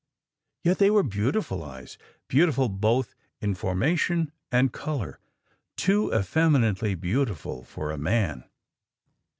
"Yet they were beautiful eyes beautiful both in formation and colour too effeminately beautiful for a man.